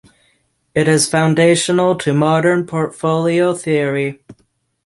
It is foundational to Modern portfolio theory.